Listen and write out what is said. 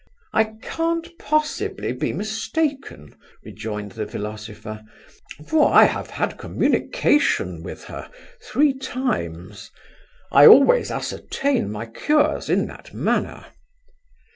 'I can't possibly be mistaken (rejoined the philosopher) for I have had communication with her three times I always ascertain my cures in that manner.